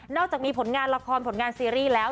จากมีผลงานละครผลงานซีรีส์แล้ว